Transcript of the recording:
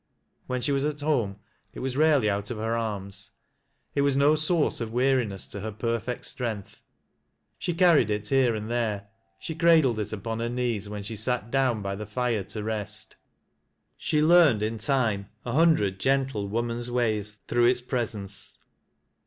When she was at home it was rarely out of her arms. It was no source of wear i ness to her perfect strength. She carried it here and there, she cradled it upon her knees, when she sat down by the fire to rest ; she learned in time a hundred gentle woman's ways through its presence.